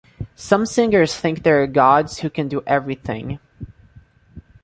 Some singers think they are gods who can do everything.